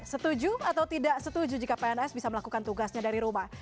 setuju atau tidak setuju jika pns bisa melakukan tugasnya dari rumah